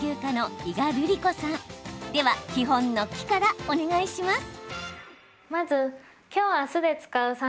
では基本の「キ」からお願いします。